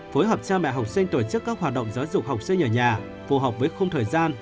phối hợp cha mẹ học sinh tổ chức các hoạt động giáo dục học sinh ở nhà phù hợp với không thời gian